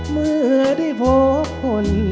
เมื่อได้พบคน